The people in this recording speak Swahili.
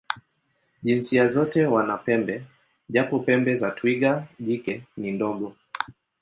Jinsia zote wana pembe, japo pembe za twiga jike ni ndogo.